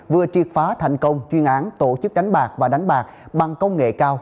vừa triệt phá thành công chuyên án tổ chức đánh bạc và đánh bạc bằng công nghệ cao